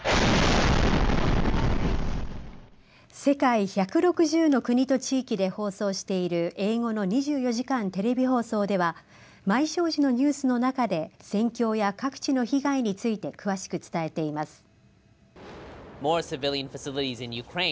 世界１６０の国と地域で放送している英語の２４時間テレビ放送では毎正時のニュースの中で戦況や各地の被害について詳しく伝えています。